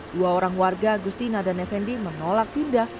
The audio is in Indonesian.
dua orang warga agustina dan effendi menolak tindak